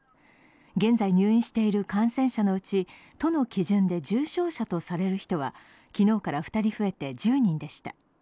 現在入院している感染者のうち都の基準で重症者とされる人は昨日から２人増えて１０人でした。